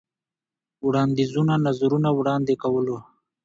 وړاندیزونو ، نظرونه وړاندې کولو.